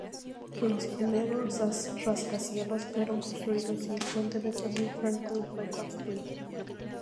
Los primeros rascacielos fueron construidos y el puente Benjamin Franklin fue construido.